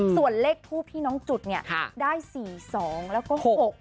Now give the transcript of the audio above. ส่วนเลขทูบที่น้องจุดเนี่ยได้๔๒แล้วก็๖๖